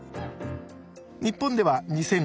日本では２００６年